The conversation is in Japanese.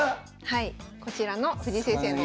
はいこちらの藤井先生の。